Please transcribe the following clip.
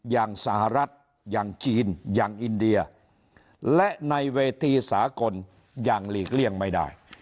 อย่างสหรัฐอย่างจีนอย่างอินเดียและในเวทีสากลอย่างหลีกเลี่ยงไม่ได้